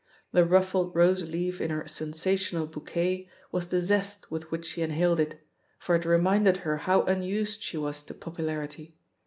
The ruffled rose leaf in her sensational bou quet was the zest with which she inhaled it, for it reminded her how unused she was to popular ity.